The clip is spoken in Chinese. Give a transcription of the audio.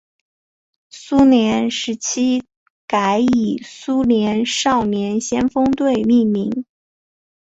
苏联时期改以苏联少年先锋队命名。